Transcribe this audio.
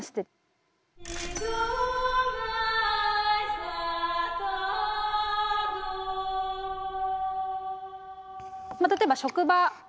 まあ例えば職場。